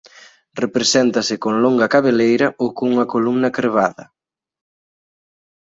Represéntase con longa cabeleira ou cunha columna crebada.